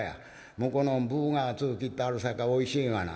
向こうのは分が厚う切ってあるさかいおいしいがな。